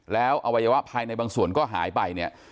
แล้วอวัยวะภายในบางส่วนก็หายไปเนี่ย